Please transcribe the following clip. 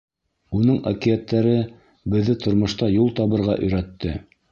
Уның әкиәттәре беҙҙе тормошта юл табырға өйрәтте.